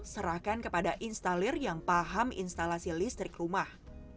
serahkan kepada instalir yang paham instalasi listrik rumah